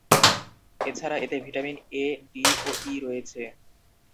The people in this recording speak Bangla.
এছাড়া এতে ভিটামিন এ, ডি ও ই রয়েছে।